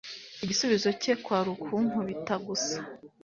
Igisubizo cye kwari kunkubita gusa .